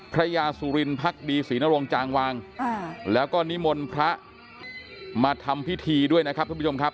พระยาสุรินพักดีศรีนรงจางวางแล้วก็นิมนต์พระมาทำพิธีด้วยนะครับทุกผู้ชมครับ